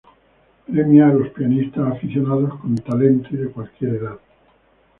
Premia a los pianistas aficionados con talento y de cualquier edad.